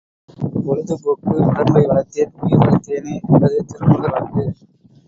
பொழுதுபோக்கு உடம்பை வளர்த்தேன் உயிர் வளர்த்தேனே என்பது திருமூலர் வாக்கு.